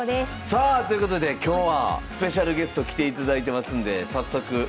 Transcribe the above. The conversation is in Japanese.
さあということで今日はスペシャルゲスト来ていただいてますんで早速お呼びしたいと思います。